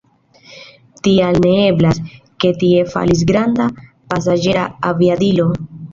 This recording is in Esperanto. Tial ne eblas, ke tie falis granda pasaĝera aviadilo.